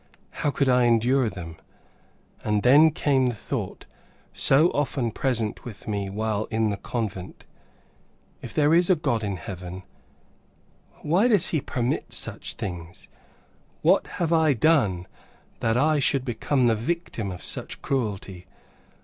How could I endure them? And then came the thought so often present with me while in the convent, "If there is a God in heaven, why does He permit such things? What have I done that I should become the victim of such cruelty?